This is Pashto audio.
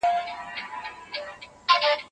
يوه نکته داده چي زبير بن عوام رضي الله عنه صحابي وو.